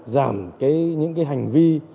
giảm cái những cái hành vi